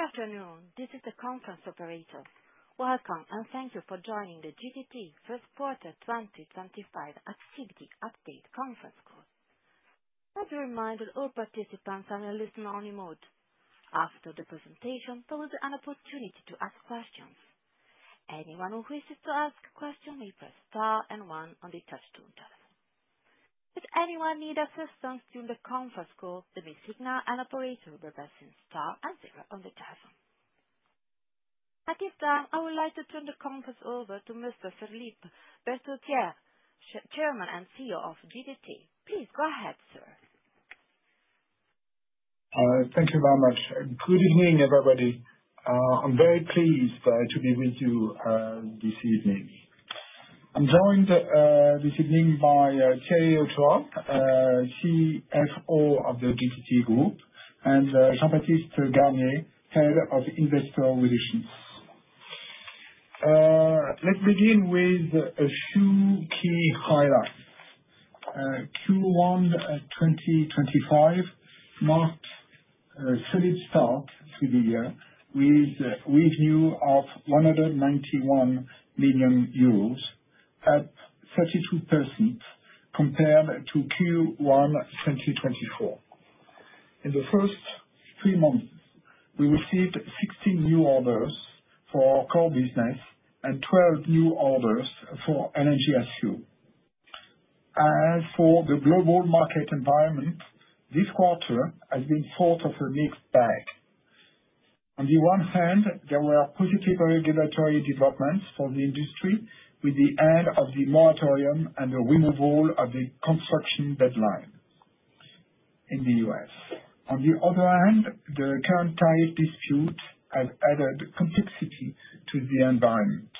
& Technigaz, this is the conference operator. Welcome and thank you for joining the GTT First Quarter 2025 Activity Update Conference Call. As a reminder, all participants are in listen-only mode. After the presentation, there will be an opportunity to ask questions. Anyone who wishes to ask a question may press star and one on the touch-tone telephone. If anyone needs assistance during the Conference Call, they may signal an operator by pressing star and zero on the telephone. At this time, I would like to turn the conference over to Mr. Philippe Berterottière, Chairman and CEO of GTT. Please go ahead, sir. Thank you very much. Good evening, everybody. I'm very pleased to be with you this evening. I'm joined this evening by Thierry Hochoa, CFO of the GTT Group, and Jean-Baptiste Garnier, Head of Investor Relations. Let's begin with a few key highlights. Q1 2025 marked a solid start to the year with revenue of 191 million euros, up 32% compared to Q1 2024. In the first three months, we received 16 new orders for core business and 12 new orders for energy SU. As for the global market environment, this quarter has been sort of a mixed bag. On the one hand, there were positive regulatory developments for the industry with the end of the moratorium and the removal of the construction deadline in the U.S. On the other hand, the current tariff dispute has added complexity to the environment.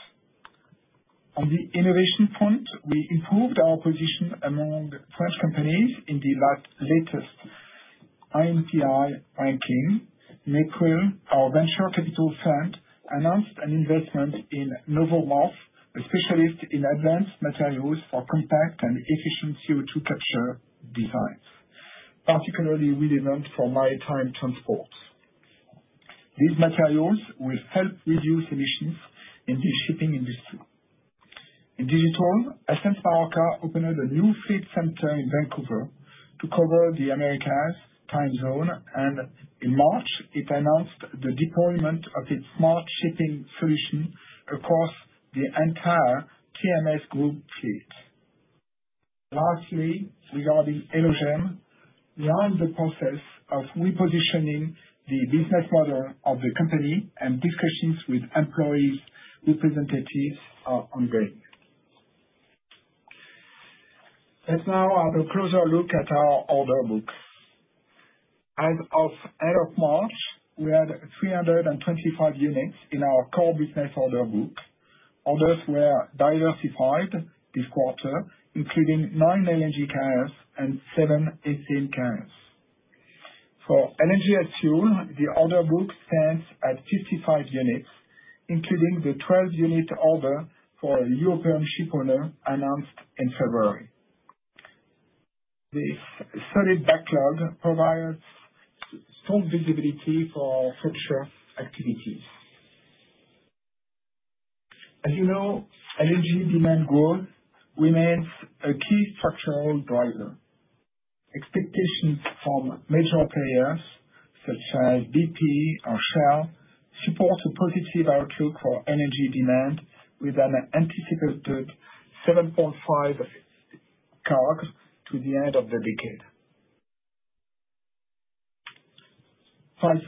On the innovation front, we improved our position among French companies in the latest INPI ranking. In April, our Venture Capital Fund announced an investment in novoMOF, a specialist in advanced materials for compact and efficient CO2 capture designs, particularly relevant for maritime transport. These materials will help reduce emissions in the shipping industry. In digital, Ascenz Marorka opened a new fleet center in Vancouver to cover the Americas Time Zone, and in March, it announced the deployment of its smart shipping solution across the entire TMS Group fleet. Lastly, regarding Elogen, we are in the process of repositioning the business model of the company, and discussions with employees' representatives are ongoing. Let's now have a closer look at our order books. As of end of March, we had 325 units in our core business order book. Orders were diversified this quarter, including nine LNG Carriers and seven Ethane Carriers. For LNG as fuel, the order book stands at 55 units, including the 12-unit order for a European shipowner announced in February. This solid backlog provides strong visibility for future activities. As you know, energy demand growth remains a key structural driver. Expectations from major players such as BP or Shell support a positive outlook for energy demand with an anticipated 5.7% curve to the end of the decade. What's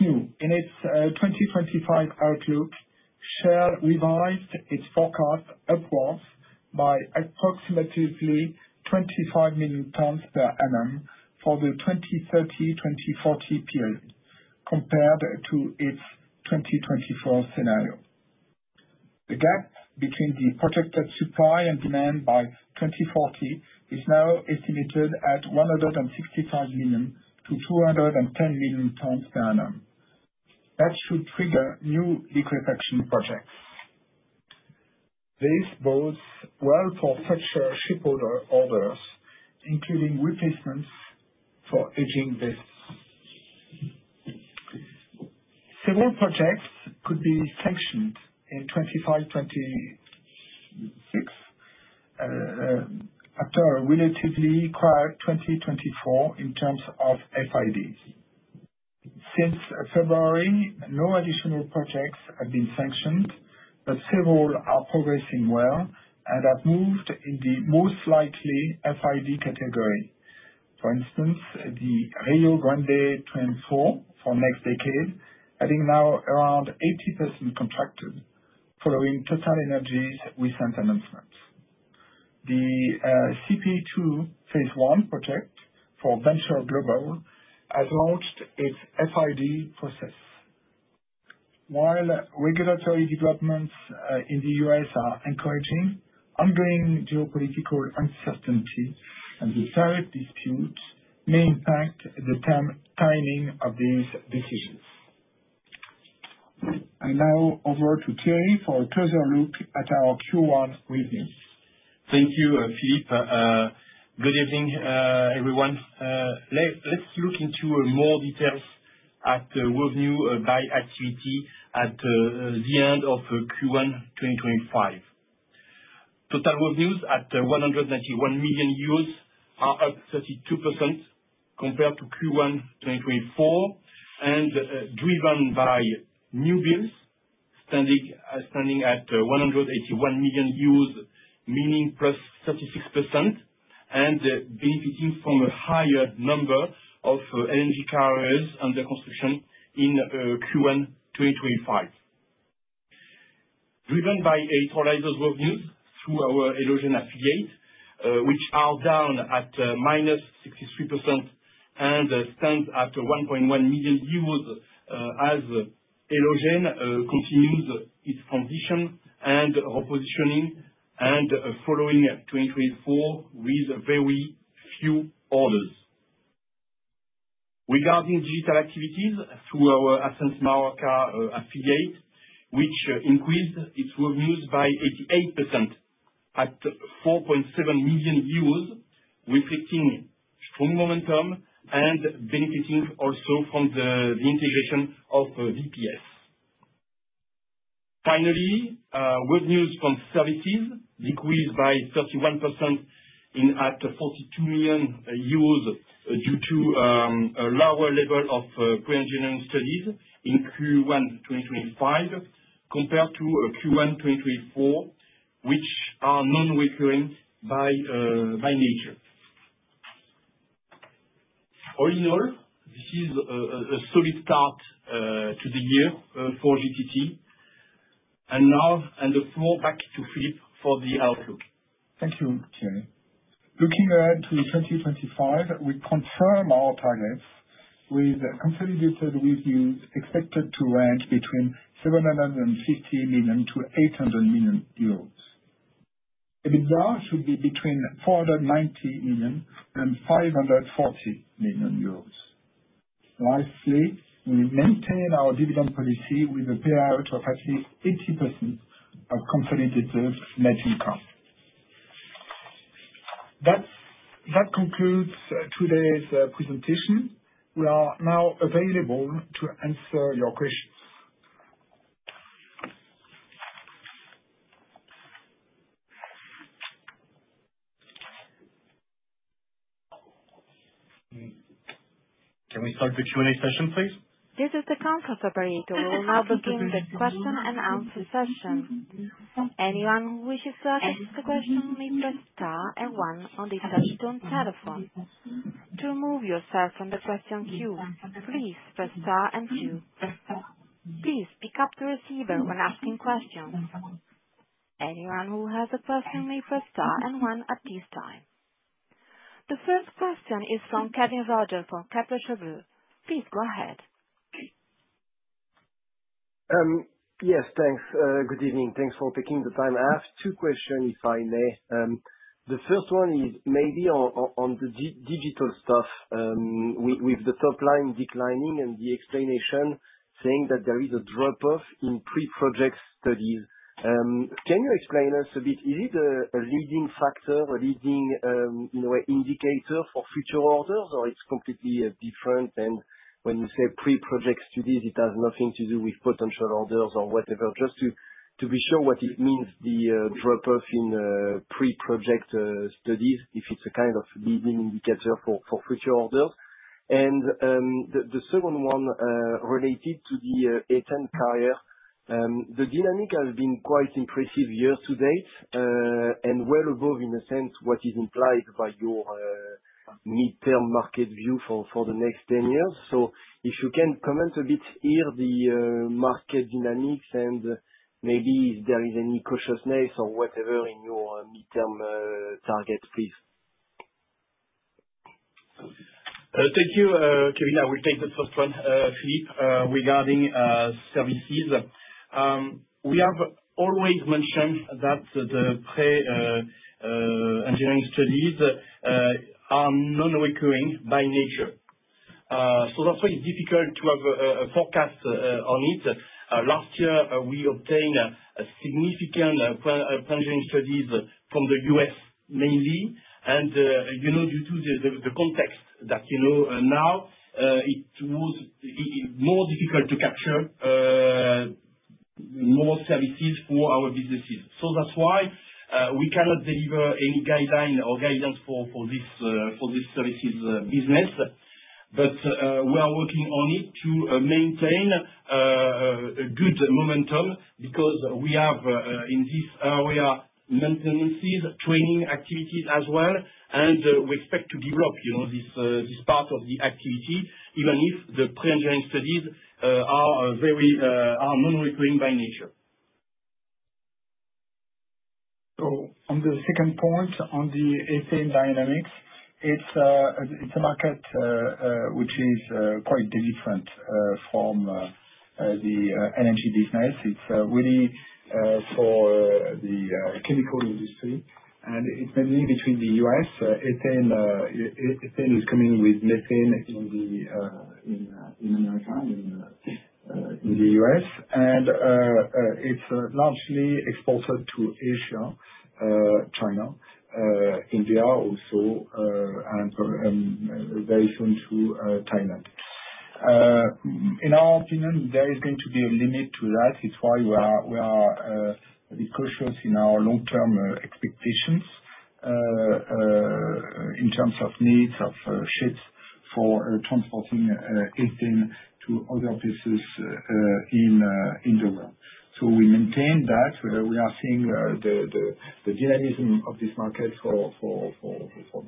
new? In its 2025 outlook, Shell revised its forecast upwards by approximately 25 million tons per annum for the 2030-2040 period, compared to its 2024 scenario. The gap between the projected supply and demand by 2040 is now estimated at 165 million-210 million tons per annum. That should trigger new liquefaction projects. This bodes well for future shipowner orders, including replacements for aging vessels. Several projects could be sanctioned in 2025-2026 after a relatively quiet 2024 in terms of FIDs. Since February, no additional projects have been sanctioned, but several are progressing well and have moved in the most likely FID category. For instance, the Rio Grande Train 4 for NextDecade, having now around 80% contracted, following TotalEnergies' recent announcements. The CP2 Phase I project for Venture Global has launched its FID process. While regulatory developments in the U.S. are encouraging, ongoing geopolitical uncertainty and the tariff dispute may impact the timing of these decisions. Now over to Thierry for a closer look at our Q1 revenues. Thank you, Philippe. Good evening, everyone. Let's look into more details at revenue by activity at the end of Q1 2025. Total revenues at 191 million euros are up 32% compared to Q1 2024 and driven by new bills standing at 181 million euros, meaning plus 36% and benefiting from a higher number of LNG Carriers under construction in Q1 2025. Driven by electrolyzers revenues through our Elogen affiliate, which are down at minus 63% and stands at 1.1 million euros as Elogen continues its transition and repositioning and following 2024 with very few orders. Regarding digital activities through our Ascenz Marorka affiliate, which increased its revenues by 88% at 4.7 million, reflecting strong momentum and benefiting also from the integration of VPS. Finally, revenues from services decreased by 31% at 4.2 million euros due to a lower level of pre-engineering studies in Q1 2025 compared to Q1 2024, which are non-recurring by nature. All in all, this is a solid start to the year for GTT. I will now fall back to Philippe for the outlook. Thank you, Thierry. Looking ahead to 2025, we confirm our targets with consolidated revenues expected to range between 750 million-800 million euros. EBITDA should be between 490 million-540 million euros. Lastly, we maintain our dividend policy with a payout of at least 80% of consolidated net income. That concludes today's presentation. We are now available to answer your questions. Can we start the Q&A session, please? This is the conference operator now beginning the question and answer session. Anyone who wishes to ask a question may press star and one on the touch-tone telephone. To remove yourself from the question queue, please press star and two. Please pick up the receiver when asking questions. Anyone who has a question may press star and one at this time. The first question is from Kevin Roger from Kepler Cheuvreux. Please go ahead. Yes, thanks. Good evening. Thanks for taking the time to ask. Two questions, if I may. The first one is maybe on the digital stuff with the top line declining and the explanation saying that there is a drop-off in pre-project studies. Can you explain us a bit? Is it a leading factor, a leading indicator for future orders, or it's completely different? When you say pre-project studies, it has nothing to do with potential orders or whatever. Just to be sure what it means, the drop-off in pre-project studies, if it's a kind of leading indicator for future orders. The second one related to the Ethane Carrier, the dynamic has been quite impressive year to date and well above, in a sense, what is implied by your mid-term market view for the next 10 years. If you can comment a bit here on the market dynamics and maybe if there is any cautiousness or whatever in your mid-term target, please. Thank you, Kevin. I will take the first one, Philippe, regarding services. We have always mentioned that the pre-engineering studies are non-recurring by nature. That is why it is difficult to have a forecast on it. Last year, we obtained significant pre-engineering studies from the U.S. mainly. Due to the context that you know now, it was more difficult to capture more services for our businesses. That is why we cannot deliver any guideline or guidance for this services business. We are working on it to maintain a good momentum because we have in this area maintenances, training activities as well, and we expect to develop this part of the activity, even if the pre-engineering studies are non-recurring by nature. On the second point, on the ethane dynamics, it's a market which is quite different from the energy business. It's really for the chemical industry. It's mainly between the U.S. ethane is coming with methane in America, in the U.S., and it's largely exported to Asia, China, India also, and very soon to Thailand. In our opinion, there is going to be a limit to that. It's why we are a bit cautious in our long-term expectations in terms of needs of ships for transporting ethane to other places in the world. We maintain that. We are seeing the dynamism of this market for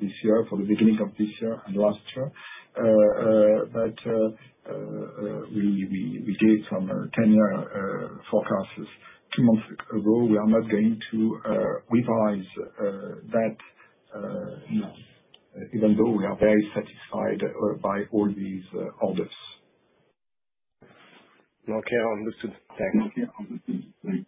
this year, for the beginning of this year and last year. We gave some ten-year forecasts two months ago. We are not going to revise that now, even though we are very satisfied by all these orders. Okay, understood. Thanks.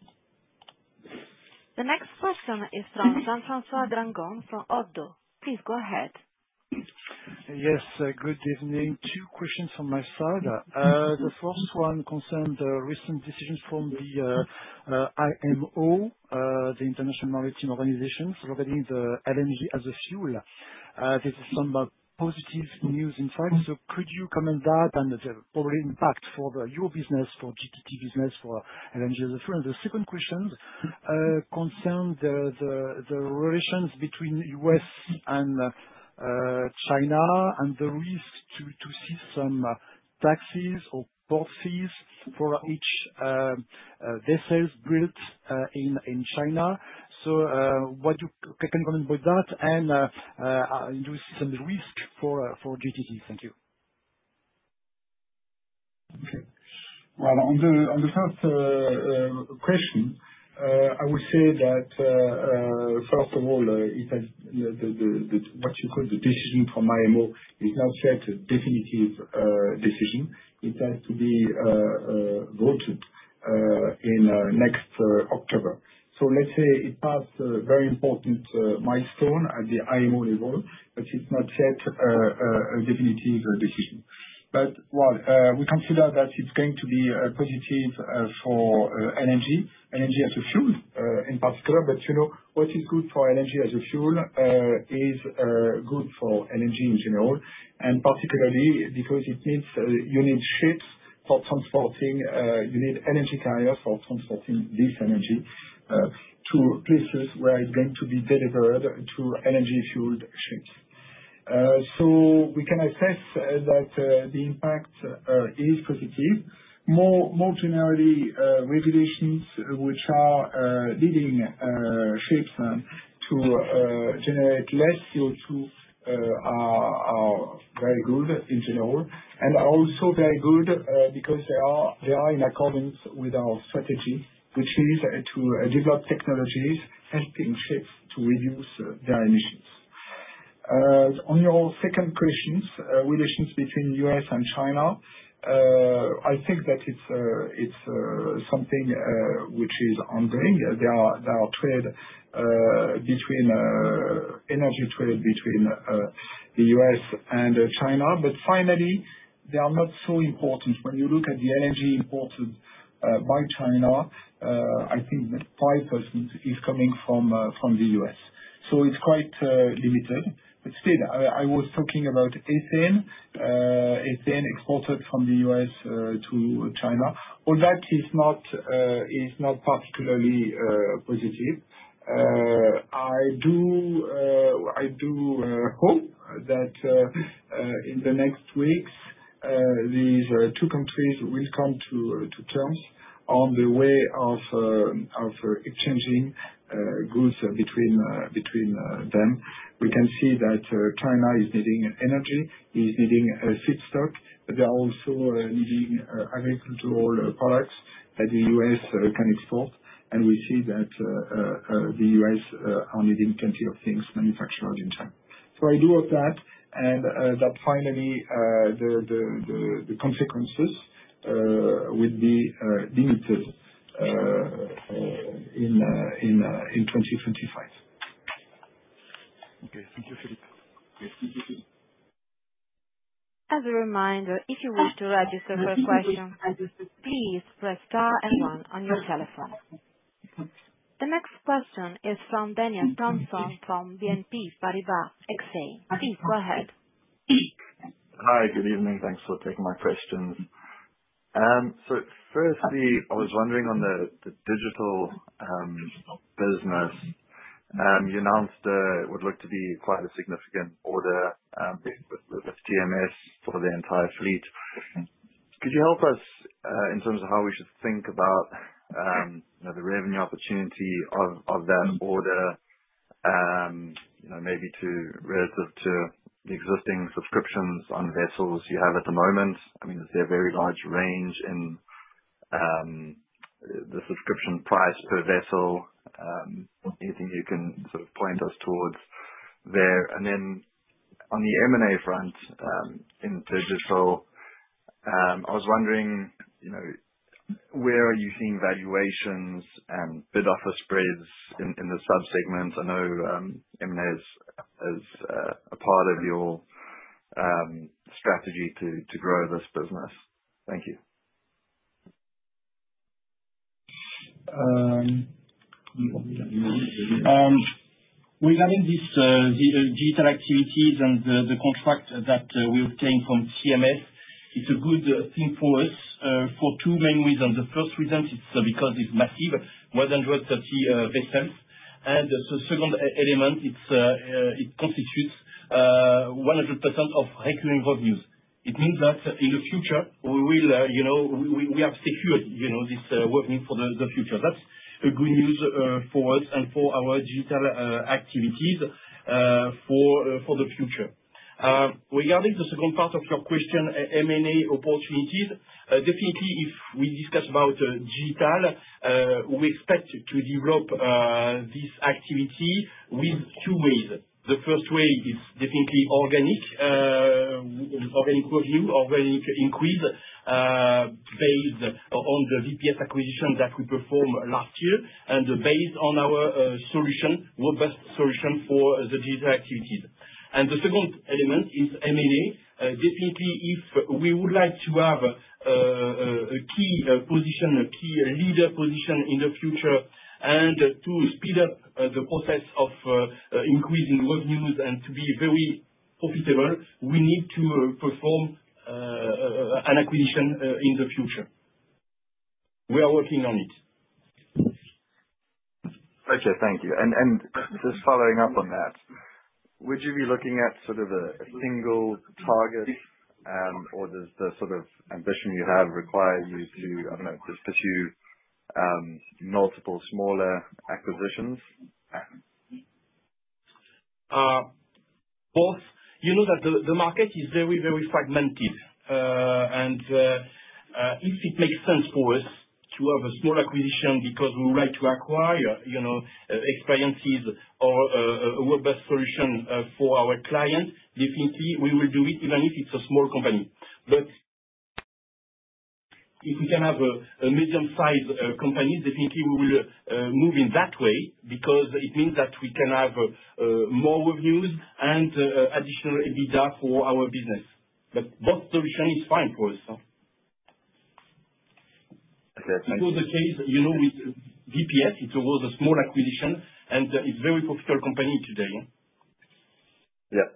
The next question is from Jean-François Granjon from ODDO. Please go ahead. Yes, good evening. Two questions from my side. The first one concerns the recent decisions from the IMO, the International Maritime Organization, regarding the LNG as a fuel. This is some positive news insight. Could you comment that and probably impact for your business, for GTT business, for LNG as a fuel? The second question concerns the relations between the U.S. and China and the risk to see some taxes or port fees for each vessel built in China. Could you comment about that and do you see some risk for GTT? Thank you. Okay. On the first question, I would say that, first of all, what you call the decision from IMO is not yet a definitive decision. It has to be voted in next October. Let's say it passed a very important milestone at the IMO level, but it is not yet a definitive decision. We consider that it is going to be positive for LNG, LNG as a fuel in particular. What is good for LNG as a fuel is good for LNG in general, and particularly because you need ships for transporting, you need energy carriers for transporting this energy to places where it is going to be delivered to energy-fueled ships. We can assess that the impact is positive. More generally, regulations which are leading ships to generate less CO2 are very good in general and are also very good because they are in accordance with our strategy, which is to develop technologies helping ships to reduce their emissions. On your second question, relations between the U.S. and China, I think that it's something which is ongoing. There are trade between energy trade between the U.S. and China. Finally, they are not so important. When you look at the energy imported by China, I think 5% is coming from the U.S. It is quite limited. Still, I was talking about ethane exported from the U.S. to China. All that is not particularly positive. I do hope that in the next weeks, these two countries will come to terms on the way of exchanging goods between them. We can see that China is needing energy, is needing a feedstock. They are also needing agricultural products that the U.S. can export. We see that the U.S. are needing plenty of things manufactured in China. I do hope that, and that finally, the consequences would be limited in 2025. Okay. Thank you, Philippe. As a reminder, if you wish to register for a question, please press star and one on your telephone. The next question is from Daniel Thomson from BNP Paribas Exane. Please, go ahead. Hi, good evening. Thanks for taking my questions. Firstly, I was wondering on the digital business, you announced it would look to be quite a significant order with TMS for the entire fleet. Could you help us in terms of how we should think about the revenue opportunity of that order, maybe relative to the existing subscriptions on vessels you have at the moment? I mean, is there a very large range in the subscription price per vessel? Anything you can sort of point us towards there? On the M&A front in digital, I was wondering where are you seeing valuations and bid-offer spreads in the subsegments? I know M&A is a part of your strategy to grow this business. Thank you. Regarding these digital activities and the contract that we obtained from TMS, it's a good thing for us for two main reasons. The first reason, it's because it's massive, 130 vessels. The second element, it constitutes 100% of recurring revenues. It means that in the future, we have secured this revenue for the future. That's good news for us and for our digital activities for the future. Regarding the second part of your question, M&A opportunities, definitely, if we discuss about digital, we expect to develop this activity with two ways. The first way is definitely organic revenue, organic increase based on the VPS acquisition that we performed last year and based on our robust solution for the digital activities. The second element is M&A. Definitely, if we would like to have a key position, a key leader position in the future, and to speed up the process of increasing revenues and to be very profitable, we need to perform an acquisition in the future. We are working on it. Okay, thank you. Just following up on that, would you be looking at sort of a single target, or does the sort of ambition you have require you to, I don't know, just pursue multiple smaller acquisitions? Both. You know that the market is very, very fragmented. If it makes sense for us to have a small acquisition because we would like to acquire experiences or robust solutions for our clients, definitely, we will do it, even if it's a small company. If we can have a medium-sized company, definitely, we will move in that way because it means that we can have more revenues and additional EBITDA for our business. Both solutions are fine for us. Okay, thank you. It was the case with VPS. It was a small acquisition, and it's a very profitable company today. Yeah.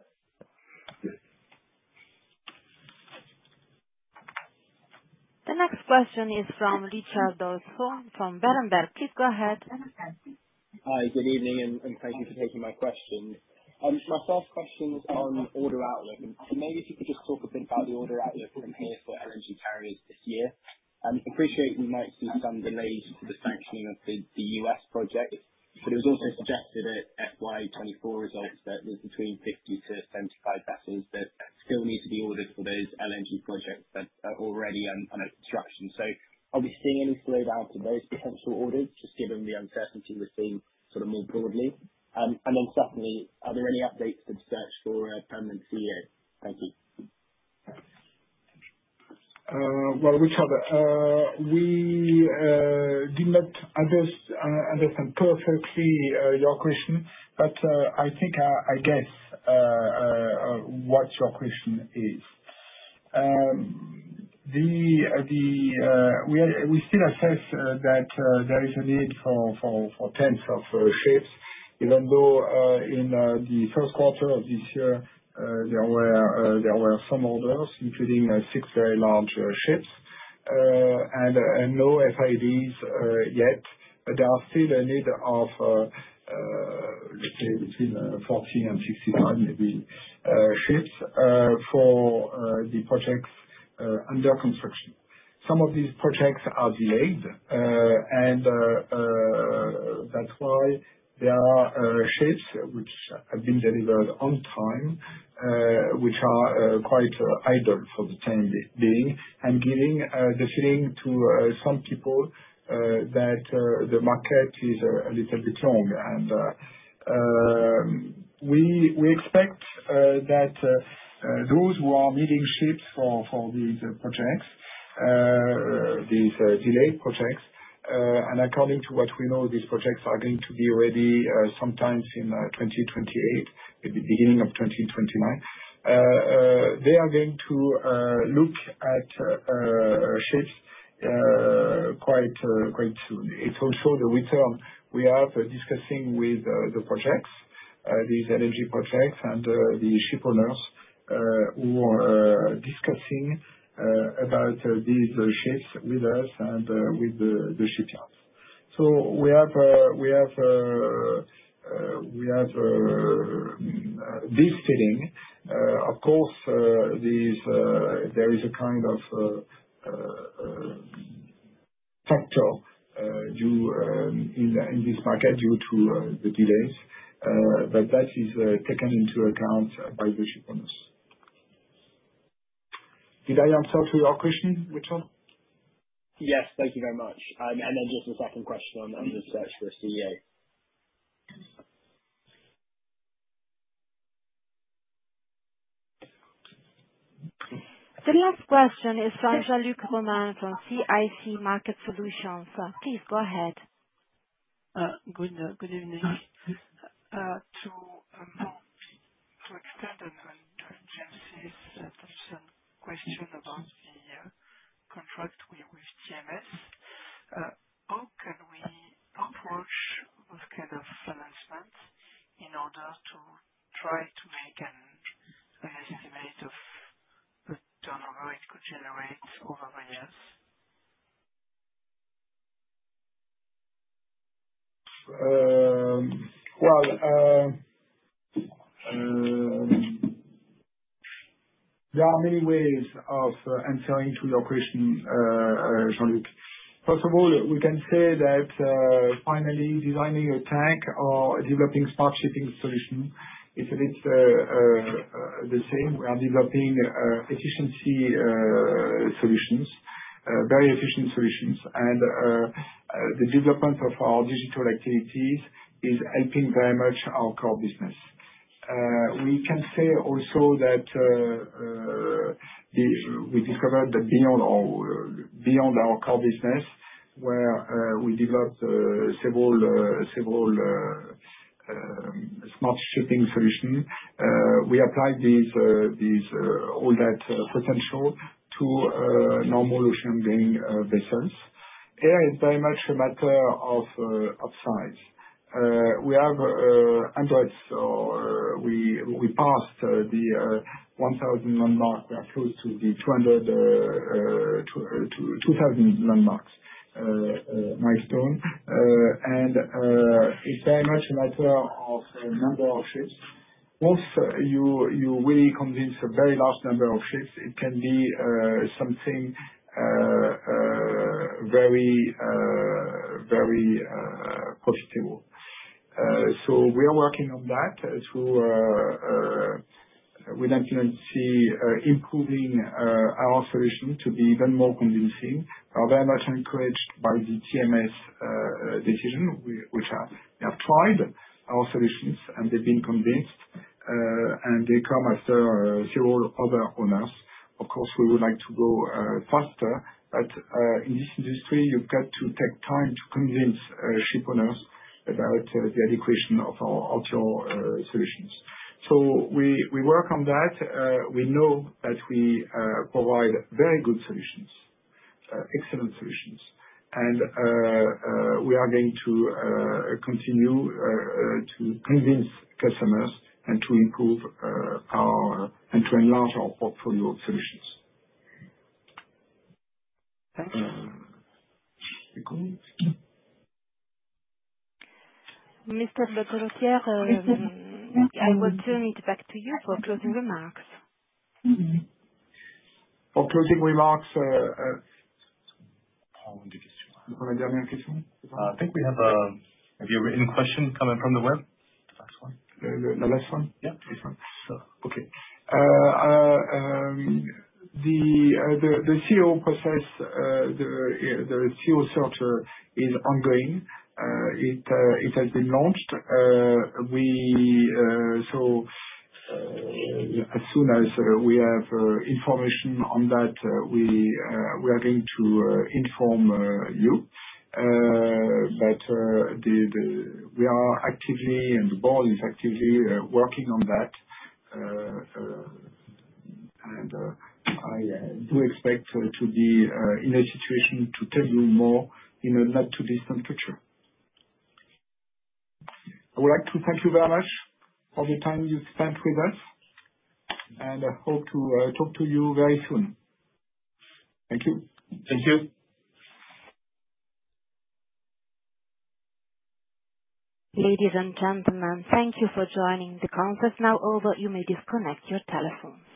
The next question is from Richard Dowson from Berenberg. Please go ahead. Hi, good evening, and thank you for taking my question. My first question is on order outlook. Maybe if you could just talk a bit about the order outlook from here for LNG Carriers this year. I appreciate we might see some delays to the sanctioning of the U.S. project, but it was also suggested at FY 2024 results that there's between 50-75 vessels that still need to be ordered for those LNG projects that are already under construction. Are we seeing any slowdown to those potential orders, just given the uncertainty we're seeing sort of more broadly? Secondly, are there any updates to the search for a permanent CEO? Thank you. Richard, we did not understand perfectly your question, but I think I guess what your question is. We still assess that there is a need for tens of ships, even though in the first quarter of this year, there were some orders, including six very large ships, and no FIDs yet. There are still a need of, let's say, between 40 and 65 maybe ships for the projects under construction. Some of these projects are delayed, and that's why there are ships which have been delivered on time, which are quite idle for the time being and giving the feeling to some people that the market is a little bit long. We expect that those who are needing ships for these projects, these delayed projects, and according to what we know, these projects are going to be ready sometime in 2028, at the beginning of 2029, they are going to look at ships quite soon. It is also the return we have discussing with the projects, these LNG projects, and the shipowners who are discussing about these ships with us and with the shipyards. We have this feeling. Of course, there is a kind of factor in this market due to the delays, but that is taken into account by the shipowners. Did I answer to your question, Richard? Yes, thank you very much. Just a second question on the search for a CEO. The last question is from Jean-Luc Romain from CIC Market Solutions. Please go ahead. Good evening. To extend on James's question about the contract with TMS, how can we approach this kind of financing in order to try to make an estimate of the turnover it could generate over the years? There are many ways of answering to your question, Jean-Luc. First of all, we can say that finally designing a tank or developing a smart shipping solution is a bit the same. We are developing efficiency solutions, very efficient solutions, and the development of our digital activities is helping very much our core business. We can say also that we discovered that beyond our core business, where we developed several smart shipping solutions, we applied all that potential to normal ocean-going vessels. Here it's very much a matter of size. We have Androids, so we passed the 1,000 landmarks. We are close to the 2,000 landmarks milestone. It is very much a matter of number of ships. Once you really convince a very large number of ships, it can be something very profitable. We are working on that with the opportunity of improving our solution to be even more convincing. We are very much encouraged by the TMS decision, which has tried our solutions, and they've been convinced, and they come after several other owners. Of course, we would like to go faster, but in this industry, you've got to take time to convince shipowners about the adequation of our outdoor solutions. We work on that. We know that we provide very good solutions, excellent solutions, and we are going to continue to convince customers and to improve our and to enlarge our portfolio of solutions. Thank you. Mr. Berterottière, I will turn it back to you for closing remarks. For closing remarks, have you written questions coming from the web? The last one? Yeah, this one. Okay. The CEO process, the CEO search, is ongoing. It has been launched. As soon as we have information on that, we are going to inform you. We are actively, and the board is actively working on that. I do expect to be in a situation to tell you more in a not-too-distant future. I would like to thank you very much for the time you spent with us, and I hope to talk to you very soon. Thank you. Thank you. Ladies and gentlemen, thank you for joining the conference. Now, although you may disconnect your telephones.